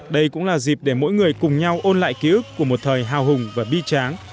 đây cũng là dịp để mỗi người cùng nhau ôn lại ký ức của một thời hào hùng và bi tráng